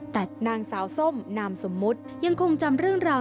แต่นางสาวส้มนามสมมุติยังคงจำเรื่องราว